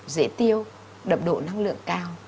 dễ tiêu đậm độ năng lượng cao